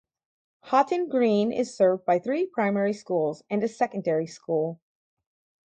Haughton Green is served by three primary schools and a secondary school.